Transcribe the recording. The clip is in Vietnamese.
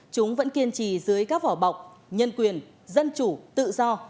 chúng vẫn kiên trì dưới các vỏ bọc nhân quyền dân chủ tự do